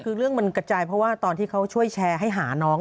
คือเรื่องมันกระจายเพราะว่าตอนที่เขาช่วยแชร์ให้หาน้อง